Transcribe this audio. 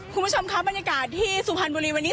คุณผู้ชมครับบรรยากาศที่สุพรรณบุรีวันนี้